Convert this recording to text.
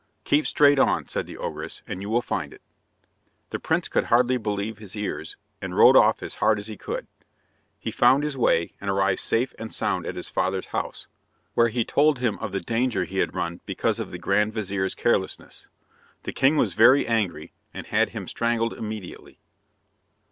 "Keep straight on," said the ogress, "and you will find it." The prince could hardly believe his ears, and rode off as hard as he could. He found his way, and arrived safe and sound at his father's house, where he told him of the danger he had run because of the grand vizir's carelessness. The king was very angry, and had him strangled immediately.